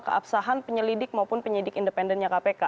keabsahan penyelidik maupun penyidik independennya kpk